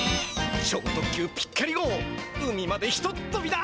超特急ぴっかり号海までひとっとびだ！